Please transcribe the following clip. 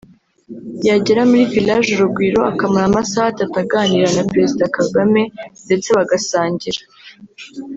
yagera muri Village Urugwiro akamara amasaha atatu aganira na Perezida Kagame ndetse bagasangira